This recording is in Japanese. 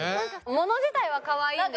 物自体はかわいいんですけど。